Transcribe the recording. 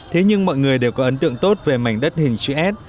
thế nhưng mọi người đều có ấn tượng tốt về mảnh đất hình chữ s